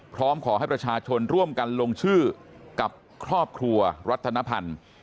พร้อมขอให้ประชาชนร่วมกันลงชื่อกับครอบครัวรัฐนพันธ์